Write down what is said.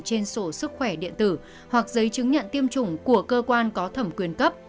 trên sổ sức khỏe điện tử hoặc giấy chứng nhận tiêm chủng của cơ quan có thẩm quyền cấp